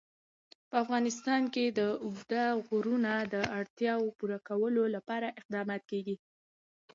په افغانستان کې د اوږده غرونه د اړتیاوو پوره کولو لپاره اقدامات کېږي.